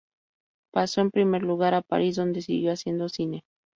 Pasó en primer lugar a París, donde siguió haciendo cine.